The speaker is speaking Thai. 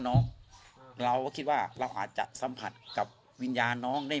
น้องเราก็คิดว่าเราอาจจะสัมผัสกับวิญญาณน้องได้